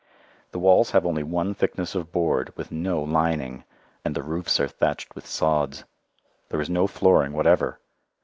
The walls have only one thickness of board with no lining and the roofs are thatched with sods. There is no flooring whatever.